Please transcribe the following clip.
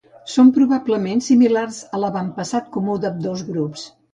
Són probablement similars a l'avantpassat comú d'ambdós grups.